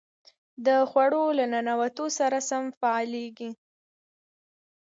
د خوړو له ننوتلو سره سم فعالېږي.